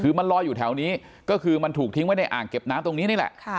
คือมันลอยอยู่แถวนี้ก็คือมันถูกทิ้งไว้ในอ่างเก็บน้ำตรงนี้นี่แหละ